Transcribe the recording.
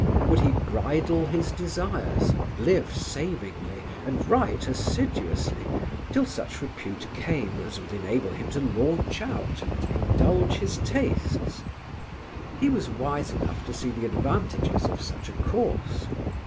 Would he bridle his desires, live savingly, and write assiduously till such repute came as would enable him to launch out and indulge his tastes? He was wise enough to see the advantages of such a course.